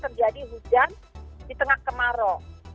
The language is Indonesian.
terjadi hujan di tengah kemarau